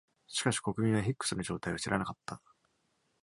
しかし、国民はヒックスの状態を知らなかった。